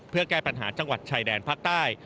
เพื่อแก้ปัญหาจังหวัดชายแดนภาคใต้